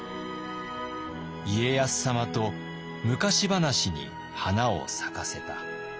「家康様と昔話に花を咲かせた」。